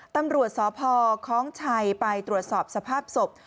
ตำรวจสพคล้องชัยไปตรวจสอบสภาพศพ